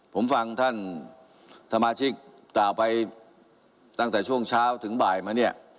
ผมฟังท่านสมาชิกกล่าวไปตั้งแต่ช่วงเช้าถึงบ่ายมาเนี่ย